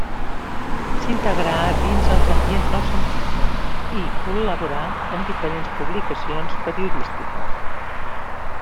S'integrà dins els ambients noucentistes, i col·laborà en diferents publicacions periodístiques.